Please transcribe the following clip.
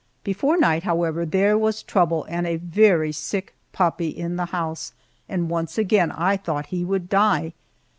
Before night, however, there was trouble and a very sick puppy in the house, and once again I thought he would die.